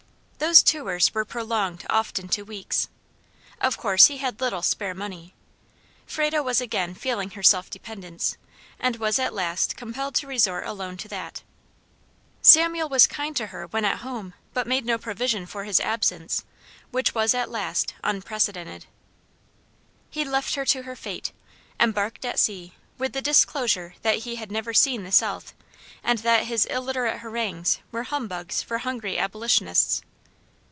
Those tours were prolonged often to weeks. Of course he had little spare money. Frado was again feeling her self dependence, and was at last compelled to resort alone to that. Samuel was kind to her when at home, but made no provision for his absence, which was at last unprecedented. He left her to her fate embarked at sea, with the disclosure that he had never seen the South, and that his illiterate harangues were humbugs for hungry abolitionists.